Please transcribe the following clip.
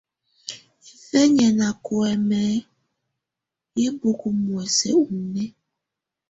Hɛfɛnyɛ́ ná kuɛ́mɛ́ yɛ́ bókó muɛ̀sɛ́ ɔ́ nɛ̀á.